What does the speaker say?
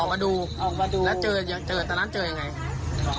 ออกมาดูแล้วเจอแต่นั้นเจอยังไง